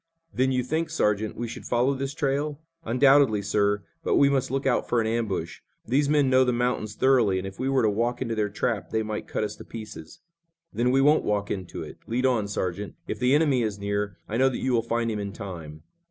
"Then you think, Sergeant, we should follow this trail?" "Undoubtedly, sir, but we must look out for an ambush. These men know the mountains thoroughly, and if we were to walk into their trap they might cut us to pieces." "Then we won't walk into it. Lead on, Sergeant. If the enemy is near, I know that you will find him in time."